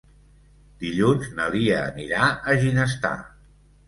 Dilluns na Lia anirà a Ginestar.